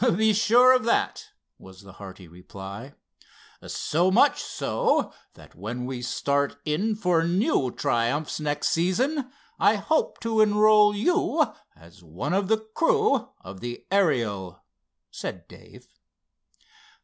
"Be sure of that," was the hearty reply. "So much so, that, when we start in for new triumphs, next season, I hope to enroll you as one of the crew of the Ariel," said Dave.